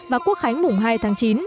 và quốc khánh mùng hai tháng chín